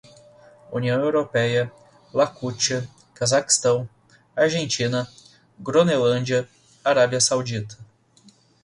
União Europeia, Iacútia, Cazaquistão, Argentina, Gronelândia, Arábia Saudita